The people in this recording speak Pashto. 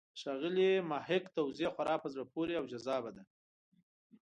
د ښاغلي محق توضیح خورا په زړه پورې او جذابه ده.